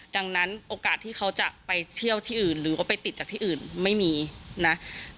ดังนั้นโอกาสที่เขาจะไปเที่ยวที่อื่นหรือว่าไปติดจากที่อื่นไม่มีนะ